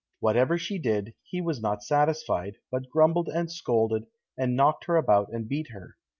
Whatever she did, he was not satisfied, but grumbled and scolded, and knocked her about and beat her.